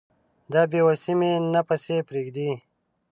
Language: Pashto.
دا بې وسي مي نه پسې پرېږدي